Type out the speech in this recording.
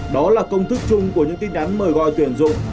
đó là công thức chung của những tin nhắn mời gọi tuyển dụng